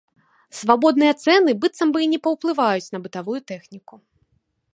Свабодныя цэны быццам бы і не паўплываюць на бытавую тэхніку.